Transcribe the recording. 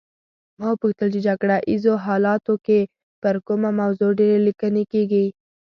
ما وپوښتل په جګړه ایزو حالاتو کې پر کومه موضوع ډېرې لیکنې کیږي.